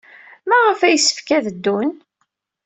Maɣef ay yessefk ad ddun?